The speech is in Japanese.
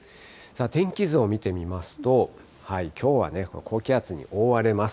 天気図を見てみますと、きょうはね、高気圧に覆われます。